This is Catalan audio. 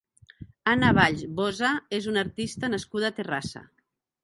Anna Valls Boza és una artista nascuda a Terrassa.